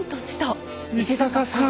石坂さん。